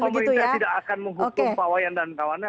pemerintah tidak akan menghukum pawayan dan kawannya